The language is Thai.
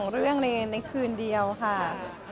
๒เรื่องครึ่งคืนเดียวค่ะ